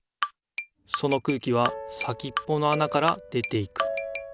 その空気は先っぽのあなから出ていく。